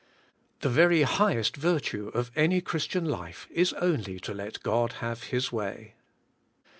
The very hig hest virtues of any Christian life is only to let God have His way.